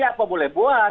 apa boleh buat